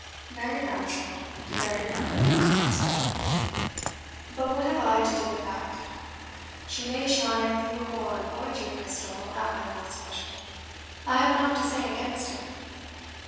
"Very natural, very right," answered Varney; "but what have I to do with that? she may shine through horn or through crystal at my lord's pleasure, I have nought to say against it."